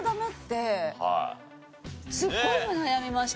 すごい今悩みました。